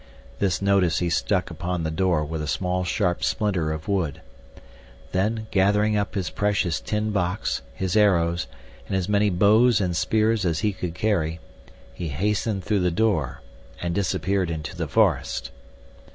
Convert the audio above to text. This notice he stuck upon the door with a small sharp splinter of wood. Then gathering up his precious tin box, his arrows, and as many bows and spears as he could carry, he hastened through the door and disappeared into the forest.